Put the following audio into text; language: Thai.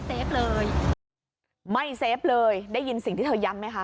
ไม่เซฟเลยไม่เซฟเลยไม่เซฟเลยได้ยินสิ่งที่เธอย้ำไหมค่ะ